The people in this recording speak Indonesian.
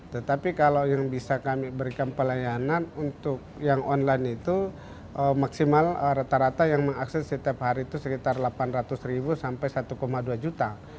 tetapi kalau yang bisa kami berikan pelayanan untuk yang online itu maksimal rata rata yang mengakses setiap hari itu sekitar delapan ratus ribu sampai satu dua juta